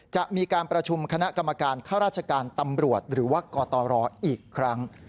จะมีการประชุมคณะกรรมการข้าราชการตำรวจหรือว่ากตรอีกครั้ง